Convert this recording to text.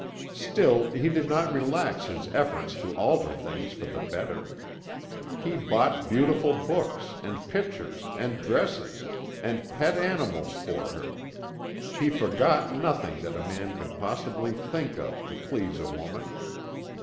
"Still he did not relax his efforts to alter things for the better. He bought beautiful books, and pictures, and dresses, and pet animals for her; he forgot nothing that a man could possibly thing of to please a woman.